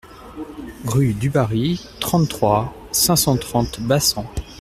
Rue Dubarry, trente-trois, cinq cent trente Bassens